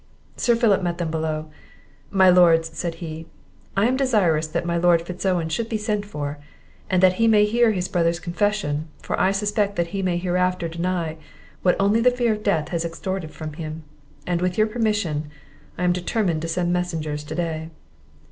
Sir Philip met them below. "My lords," said he, "I am desirous that my Lord Fitz Owen should be sent for, and that he may hear his brother's confession; for I suspect that he may hereafter deny, what only the fear of death has extorted from him; with your permission I am determined to send messengers to day."